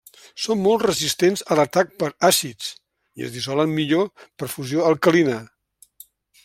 Són molt resistents a l'atac per àcids, i es dissolen millor per fusió alcalina.